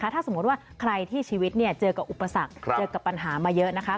ถ้าสมมุติว่าใครที่ชีวิตเจอกับอุปสรรคเจอกับปัญหามาเยอะนะคะ